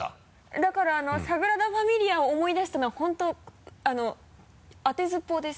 だから「サグラダファミリア」を思い出したのは本当当てずっぽうです